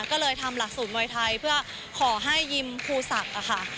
ก็เลยทำหลักสูตรมวยไทยเพื่อขอให้ยิมภูศักดิ์ค่ะ